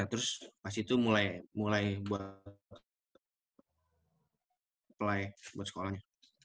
ya terus pas itu mulai buat sekolahnya